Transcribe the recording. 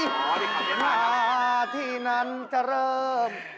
พอดีค่ะเย็นมากครับนับสิครับมาที่นั้นจะเริ่ม